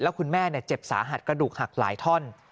คุณแม่เจ็บสาหัสกระดูกหักหลายท่อน